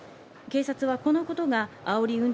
警察はこのことがあおり